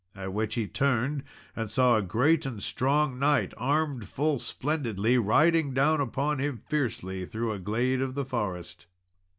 At which he turned, and saw a great and strong knight, armed full splendidly, riding down upon him fiercely through a glade of the forest.